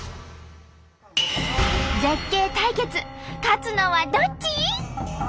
絶景対決勝つのはどっち！？